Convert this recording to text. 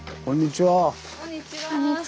こんにちは。